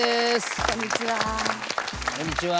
こんにちは。